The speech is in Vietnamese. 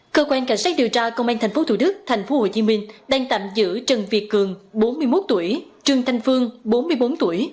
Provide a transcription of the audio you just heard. cơ quan cảnh sát điều tra công an tp thủ đức tp hcm đang tạm giữ trần việt cường bốn mươi một tuổi trương thanh phương bốn mươi bốn tuổi